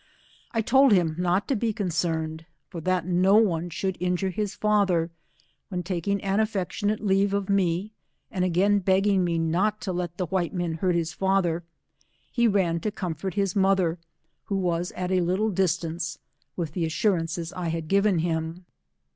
I told him not to be concerned, for that no one should in jure his father, when taking an alTectiouate leave of me, and again begging me not to let the white men hurt his father, he ran to comfort his mother^ who was at a little distance, with the assurances I had given him.